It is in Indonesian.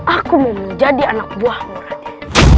aku mau menjadi anak buahmu nanti